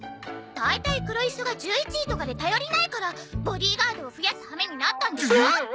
大体黒磯が１１位とかで頼りないからボディーガードを増やすハメになったんでしょ！